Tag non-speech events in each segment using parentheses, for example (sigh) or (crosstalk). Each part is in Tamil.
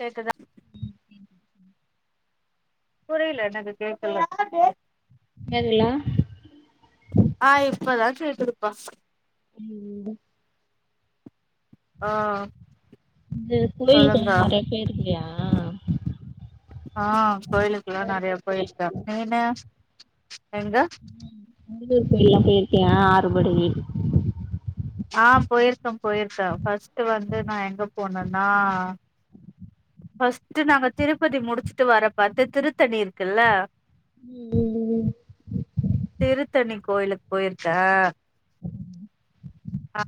கேக்குதா புரில எனக்கு கேக்கல கேக்குலா ஆ இப்பதா கேக்குதுப்பா ம் ஆ இந்த கோயிலுக்லா சொல்லுங்க நெறையா போயிருக்றியா ஆ கோயிலுக்லா நெறையா போயிருக்க நீ என்ன, எங்க முருகர் கோயில்லா போயிருக்கியா ஆறுபடை வீடு ஆ, போயிருக்க போயிருக்க ஃபஸ்ட் வந்து நா எங்க போனன்னா ஃபஸ்ட் நாங்க திருப்பதி முடிச்சுட்டு வர பாத்து திருத்தணி இருக்குல்ல, ம் ம் திருத்தணி கோயிலுக்கு போயிருக்க அ,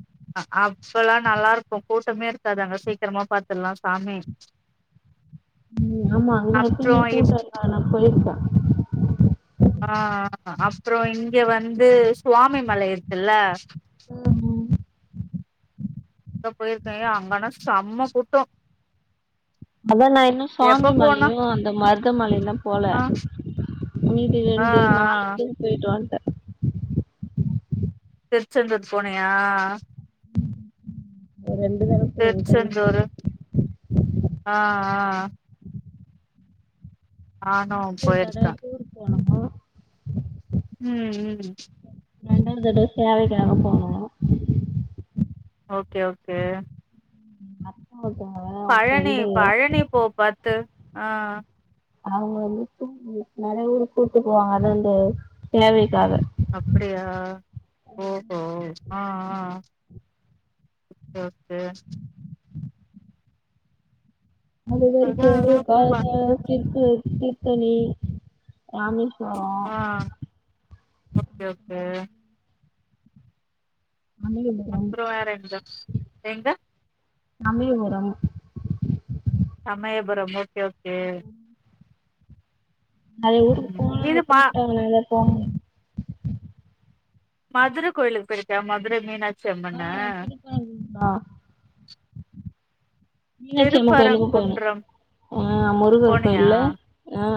அப்பல்லா நல்லாருக்கு கூட்டமே இருக்காது அங்க சீக்கிரமா பத்துட்லா சாமி ஆமா அங்க அப்றோ எப்பயுமே இப் கூட்ட இருக்காது நா போயிருக்க ஆ, அப்றோ இங்க வந்து சுவாமிமலை இருக்குல்ல அங்க போயிருக்கோ ஏ அங்கனா செம கூட்டோ அத நா இன்னு எப்ப போனா சுவாமிமலையு அந்த மருதமலையுந்தா போல ஆ மீதி ஆ ரெண்டு நாலு ஆ இதும் போயிட்டு வந்ட்டே திருச்செந்தூர் போனியா முன்னேந்து திருச்செந்தூரு ஆ ஆ ஆ நா போயிருக்கா போனமா ம் ம் ரெண்டாவது தடவ தேவைக்காவ போனோ ஓகே ஓகே அக்கா ஒருத்தங்க அவங்க பழனி ஃப்ரெண்டு பழனி போ பாத்து ஆ அவ்ங்க வந்து (inaudible) நெறைய ஊருக் கூட்டு போவாங்க அது வந்து தேவைக்காக அப்டியா ஓஹோ ஆ ஆ ஓகே ஓகே அதா அதா ப (unintelligible) திர்த்தணி ராமேஷ்வரோ ஆ ஓகே உக்கே சமயபுரம் அப்றோ வேறெங்க எங்க சமயபுரம் சமயபுரமோ ம் நறைய ஊருக்கு ம் போனுன்னு என்ன இது பா கூப்டாங்கல்ல போங் மதுர கோயிலுக் போய்ருக்க மதுர மீனாட் ஆ திருப்பரங்குன்றே மீனாட்சியம்மன்ஆ கோயிலுக்கும் போன திருப்பரங்குன்றம் அ முருகர் போனியா கோயில்ல அ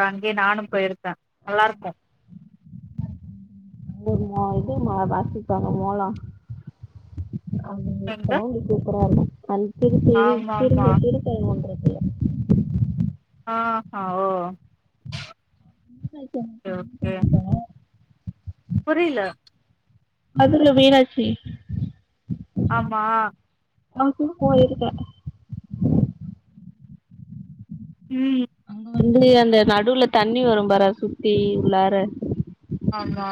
ரங்கே நானும் போயிருக் க நல்லாருக்கோ போமா வாசிப்பாங்க மோளோ அங்க எங்க சவுண்டு சூப்பராருக்கு அன் செரி செரி ஆமா ஆமா செரிங்க செரிக்காய் எங்க வாங்குறது ஆ ஹா ஓ மீனாட்சி அம்மன் ஒகே கோயிலுக்கு ஓகே போயிருந்தோ புரியில மதுர மீனாட்சி ஆமா அங்கும் போயிருக்கே ம் அதுவந்து நடுவுல தண்ணி வரும் பாரு அதுசுத்தி உள்ளார. ஆம்மா.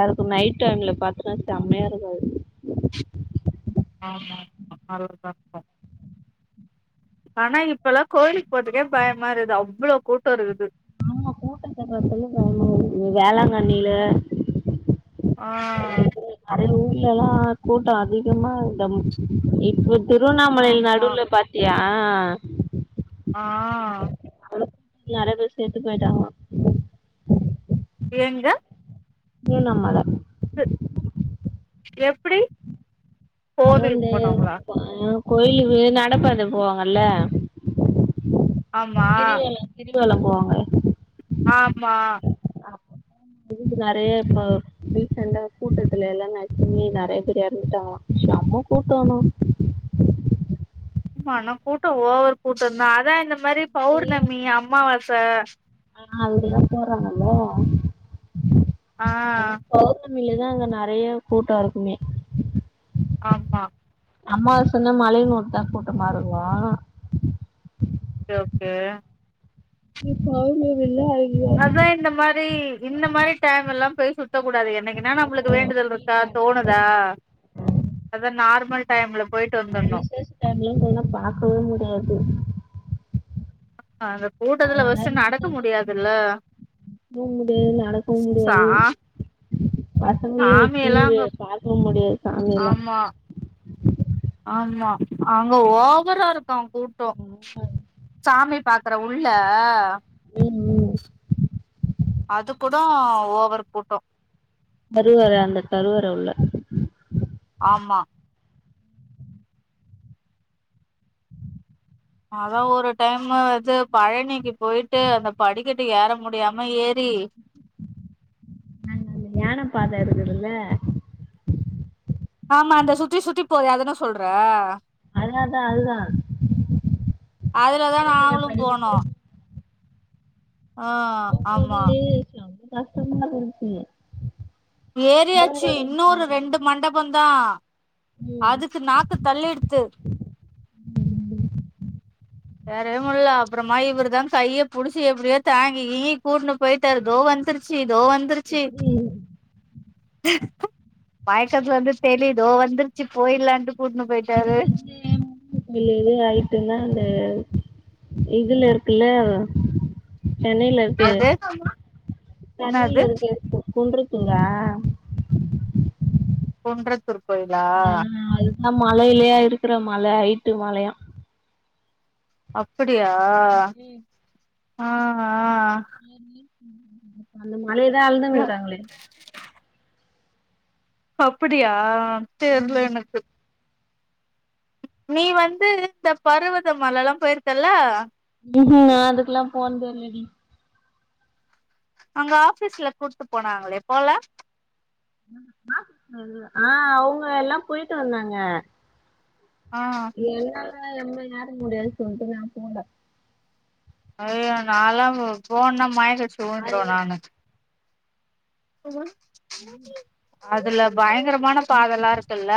அதுக்கு நைட் டைம்ல பாத்தோம்னா செம்மையா இருக்கோ அது ஆமா நல்லாதா இருக்கோ ஆனா இப்பல்லா கோயிலுக்கு போறதுக்கே பயமா இருது அவ்வளோ கூட்டோ இருக்குது. ஆமா கூட்டத்த பாத்தாலே பயமாயிருக்குது வேளாங்கண்ணியில (unintelligible) ஆ கீழல்லா கூட்டோ அதிகமா இந்தம் இப்ப. திருவண்ணாமலையில ஆமா நடுல பாத்தியா. ஆஹ் ஆஹ் நெறைய பேர் செத்து போயிட்டாங்கோ ஏங்க. திருவண்ணாமல து எப்டி. அது கோவிலுக்கு வந்து போனவங்களா பா கோயிலுக்கு நடப்பாத போவாங்கல்ல ஆமா கிரிவல போவாங்க ஆமா இது நிறைய பேர் ரீசண்டா கூட்டத்துல எல்லாம் நசுங்கிட்டா நெறைய பேர் எறந்துட்டாங்ளா ஷம கூட்டோ ஆனா ஹன கூட்ட ஓவர் கூட்டந்தா அதா இந்த மரி பௌர்ணமி அம்மாவஸ் த அ அங்கதா போறாங்கல்ல ஆ லுதா அங்க நெறையா கூட்ட இருக்குமே ஆமா அம்மாவாசனா மலையனூர்தா கூட்டமா இருக்கு ஓகே ஓகே இன்னிக்கு பௌர்ணமி அதா இந்த மாரி இந்த மாரி டைம் எல்லாம் பொய் சொல் கூடாது என்னைக்குனா நம்மளுக்கு வேண்டுதல் இருக்கா தோணுதா அது நார்மல் டைம்ல போயிட்டு அது வந்துர்ணு விசேஷடைம்லலா போனா பாக்கவே முடியாது ஆ அது அவளோ நேரம் நிக்க வெக்க முடியாது தூங்க முடியாது நடக்கவு சா முடியாது பசங்களயு சாமி எல்லா வெச்சினு அங்க பாக்கவு முடியாது சாமி எல்லா ஆமா ஆமா அங்க ஓவரா இருக்கா கூட்டோ ம் சாமி பா அப்ற உள்ள ம் ம் அதுக்குதா ஓவர் கூட்டோ கருவற அந்த கருவற உள்ள அம்மா அதா ஒரு டைமு வந்து பழனிக்கு போயிட்டு அந்த படிக்கட்டு ஏற முடியாம ஏறி நாங்க யான பாத இருக்குதுல்ல ஆமா அந்த சுத்தி சுத்தி போது‌ அதுன சொல்ற அதான் அதான் அதுதான் அதுலதா பெரிய பெரிய நாங்குளு போனோ படிக்கிறது ஆ ஆமா கஷ்ட்டமல்லா போச்சு ஏரியாச்சு இன்னொரு ரெண்டு மண்டபொ பா அதுக்கு நாக்கு தள்ளிடுத்து (unintelligible) வேற எது முல்ல அப்புறமா இவரு தா ‌கைய புடிச்சி எப்டியோ தாங்கி கூட்டுனு போய்தாரு தோ வந்துருச்சு தோ வந்துருச்சு பாய்க்கத்துல வந்து தெலியு தோ வந்துருச்சு போய்ருலான்ட்டு இது வந்து இல்ல இது அயிட்டுனா அந்த இதுல இருக்குல்ல சென்னையில இருக்கு எது என்னது சென்னைல இருக்கு குன்று (unintelligible) குன்றத் த்தூர் கோயிலா ம் மலையிலயா இருக்ற மலை ஐட்டு மலையா அக் அப்டியா ஆ நேர்லி நல்ல மோ அலே தா ஆ அளந்துக்குறாங்களே அப்படியா தெர்ல எனக்கு நீ வந்து இந்த பருவதமலை எல்லா போயிருக்கல்ல உஹ்ம் நான் அதுக்கெல்லாம் போனது இல்லடி அங்க ஆபீஸ்ல கூட்டு போனாங்களே போல ஆஹ் அவுங்க எல்லா போயிட்டு வந்தாங்க ஆ என்ன எல்லா எம்மை யார முடியாதுன்னு சொல்லிட்டு நான் போல ஐயோ நான் எல்லாம் போன மை கி அடிச்சு அதுல விழுந்துருவேன் நானு உஹ்ஹம் அதுல பயங்கர மான பாதலா ம், இருக்குல்ல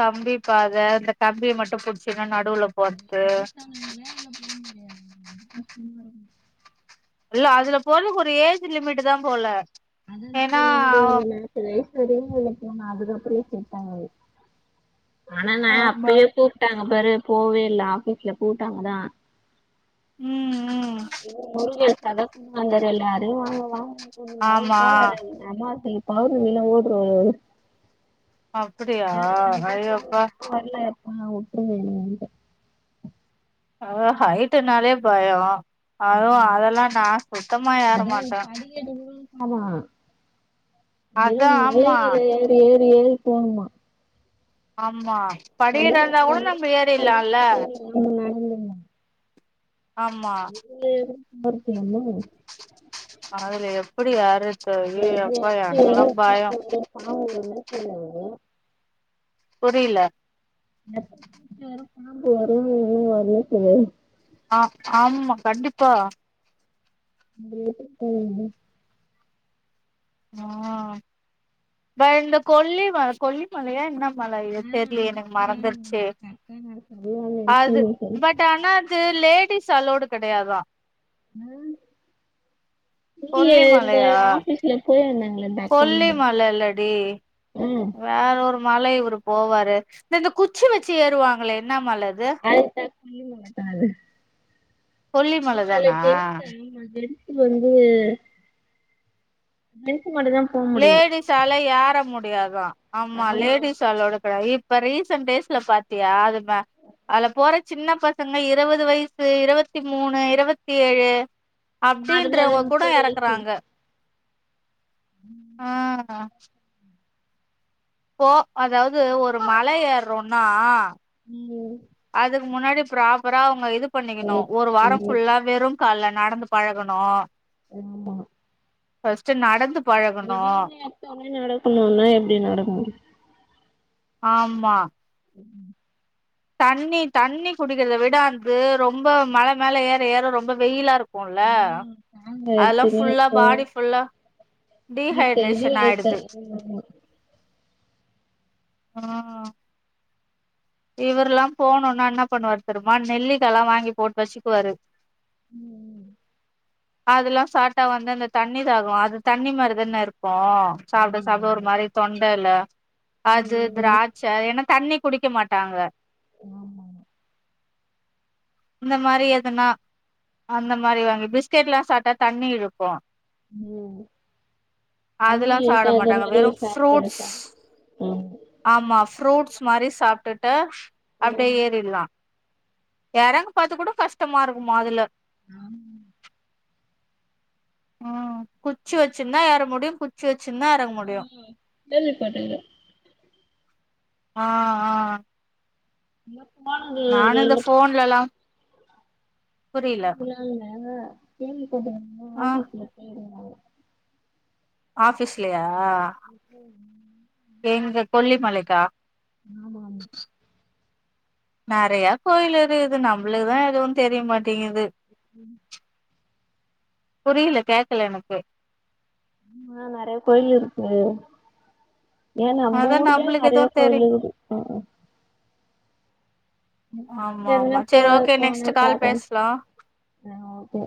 கம்பி பாதை அந்த கம்பிய மட்டும் புடிச்சி நான் நடுவுல போறதுக்கு வயசானவங்க அதுல போ முடியாது ரொம்ப கஷ்டமா இருக்கு இல்ல அதுல போறதுக்கு ஒரு ஏஜ் லிமிட் தான் போல அத ஏன்னா நமது (unintelligible) சரினு இப்ப போனா அதுக்கப்புறோ செட்டாகாது ஆனா நா ஆமா அப்பயே கூப்பிட்ட இங்கபாரு போவே இல்ல ஆபீஸ்ல கூட்டாங்கதா உம் இன்னு முருகேஷ் (unintelligible) வந்தாரு எல்லாரையு வாங்க வாங்க ம் அவரு ஆமா போவாரு அவங் அம்மா சொல்லி பௌர்ணமியில ஓடுறவரு அவர் அப்டியா ஹையோபா அ வுட்டுருங்க இனி மேல்ட்டு அதா ஹைட்டுனாலே பயோ அதுவு என்னன்ட்டு அதெல்லா நா சுத்தமா ஏற மாட்ட ஆமா அதா வெறும் ஆமா மலையில ஏறி ஏறி ஏறி போகுமா ஆமா படிக்கட்டு இருந்தா கூட நம்ம எரிறலா இல்ல உம் (unintelligible) நல்லா இருக்கீங்ளா அதுல எப்டி யாரு (unintelligible) ஓ புரியல (unintelligible) ஆஹ ஆமா கண்டிப்பா இன்று எப்படி போகுது ஆஹ இந்த கொல்லி மல கொல்லி மலயா என்ன மல இது ஆ தெர்லயே அதா எனக்கு சொல்லான்னு மறந்துருச்சு சொல்லான்னு நெனச்சே அது நீ சொல்ற பட் ஆனா அது லேட் குட்டீஸ் அலோடு கெடயாதா ம் நீ இந்த கொல்லிமலையா ஆபீஸ்ல (unintelligible) அக்கானா கொல்லிமல இல்லடி ஆ வேற ஒரு மல இவுரு போவாரு இந்தந்த குச்சி வெச்சு ஏறுவாங்களே என்னா மல அது (unintelligible) வல்லிமலக்கா அது கொல்லிமல தானா (unintelligible) இல்ல வந்து (unintelligible) போ முடியு லேடிஸால ஏர முட் டியாது தான் ஆமா லேடிஸ் அலவுட் கிடயாது இப் இப்ப ரீசன்ட் டேஸ்ல பாத்தியா அதுமா அது போற சின்ன பசங்க இரவது வயசு இரவத்தி மூணு இரவத்தி ஏழு நா அதுல அது அப்படின்றவங்க கூட முப்பது வயசு எறக்குறாங்க ஆஹ் போ அதாவது ஒரு மல ஏற்றோன்னா உம் அதுக்கு முன்னாடி ப்ராப்பரா அவுங்க இது பண்ணிக்கணு அது- ஒரு வாரம் அது- ஃபுல்லா வெறும் கால்ல நடந்து பழகணு ஆமா ஃபஸ்ட்டு நடந்து பழகணு திடீர்னு எடுத்தோனே நடக்கணுனா எப்டி நடக்க முடியு ஆமா தண்ணி தண்ணி குடிக்கிறத விட அந்து ரொம்ப மல மேல ஏற ஏற ரொம்ப வெயிலா இருக்கு க்குல நாங்க அதல்லா எடுத்துனே ஃபுல்லா இருக்கோ பாடி ஃபுல்லா இப்ப இது டீஹைட்ரேஷன் எடுத்த ஆயிடுது ஆமா ஆஹ் இவர்லா போணுனா என்ன பண்ணுவாரு தெர்மா நெல்லிக்கால்லா வாங்கி போட்டு வச்சிக்குவாரு உம் அதுலா சாட்டா வந்து அந்த தண்ணி தாகோ அது தண்ணி மாறிதான இருக் க்கும் சாப்பட ஆமா சாப்பட ஒரு மாரி தொண் ண்டைல அது ம் திராச்ச ஏன்னா தண்ணி குடிக்க மாட்டாங்க ஆமாமா இந்த மாரி எதுன்னா அந்த மாரி வாங்கி பிஸ் பிஸ்கட்லாம் சாப்ட்டா தண்ணி இழுக்கும் ம் தண்ணி அதெல்லா சாப்ட இழுக்காத மாட்டாங்க மாரி வெறு சாப்படு ஃப்ரூட்ஸ் சாப் ம் ஆமா ஃப்ரூட்ஸ் மாரி சாப்பிட்டுட்டு அப்டியே ம் ஏறில்லா யறங்க பாத்து கூட கஷ்டமா இருக்குமா அதுல ஆம் உம் குச்சி வச்சிருந்தா ஏற முடியும் குச்சி வச்சு (unintelligible) ஆஹ் ஆஹ் (unintelligible) நானு இந்த ஃபோன்லல்லாம் (inaudible) என் போது ஆ ஆபீஸ்ல போயருங்க ஆபீஸ்லயா ஆஹ் போயிருந்தாங்க எங்க கொல்லி மலைக்கா ஆமா ஆமா நறைய கோயில் இக் து நம்மளுக்குதான் எதுவும் தெரிய மாட் டிங்கது ம் புரியல கேக்கல எனக்கு ஆ நறைய கோயில் இருக்கு ஏன் நம்ம அதா ஊர்லயே நம்ளுக்கு நறைய எதுவு தெரி கோயிலு இகுது ஹ் ஹ ஆமா ஆமா என்ன செரி போன ஓகே போன நெக்ஸ்ட் கால் பாத்த பேசலா ஆஹ் ஓகே